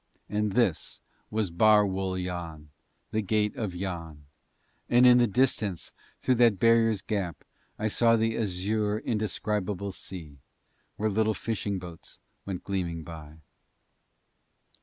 And this was Bar Wul Yann, the Gate of Yann, and in the distance through that barrier's gap I saw the azure indescribable sea, where little fishing boats went gleaming by.